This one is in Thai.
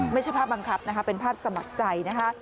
ไม่ใช่ภาพบังคับเป็นภาพสมัครใจ